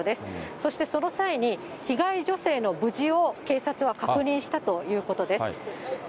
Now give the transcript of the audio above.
そして、その際に、被害女性の無事を警察は確認したということです。